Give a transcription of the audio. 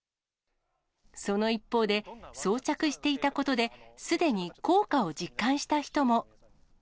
その一方で、装着していたことが、すでに効果を実感した人も。